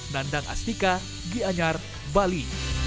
dandang astika gianyar bali